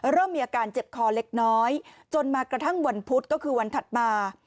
เริ่มมีอาการเจ็บคอเล็กน้อยจนมากระทั่งวันพุธก็คือวันถัดมา